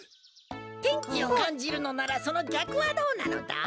天気をかんじるのならそのぎゃくはどうなのだ？